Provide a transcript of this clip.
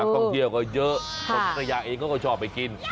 ต้องเยี่ยวก็เยอะฟัสยาเองก็ชอบไปกิน